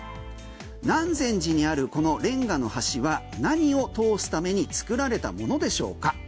南禅寺にあるこのレンガの橋は何を通すために作られたものでしょうか？